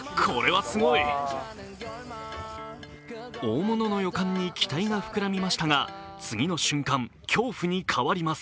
大物の予感に期待が膨らみましたが次の瞬間、恐怖に変わります。